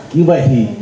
như vậy thì